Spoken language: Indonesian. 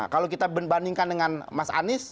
kalau kita bandingkan dengan mas anies